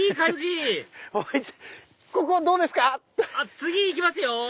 次行きますよ！